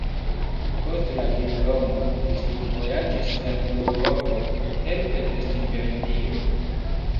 Post la diplomo li studvojaĝis en Eŭropo helpe de stipendio.